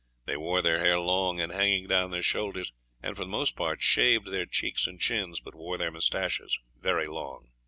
They wore their hair long and hanging down their shoulders, and for the most part shaved their cheeks and chins, but wore their moustaches very long.